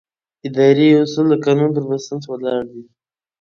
اداري اصول د قانون پر بنسټ ولاړ دي.